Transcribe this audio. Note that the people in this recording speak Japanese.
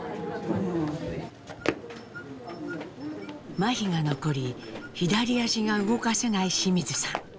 まひが残り左足が動かせない清水さん。